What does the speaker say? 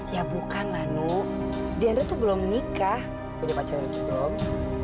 ya bukanlah nuk dianra tuh belum nikah bisa pacaran gitu dong